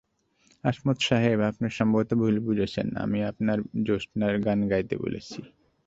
—হাসমত সাহেব, আপনি সম্ভবত ভুল বুঝেছেন, আমি আপনারে জোছনার গান গাইতে বলেছি।